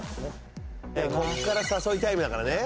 こっから誘いタイムだから。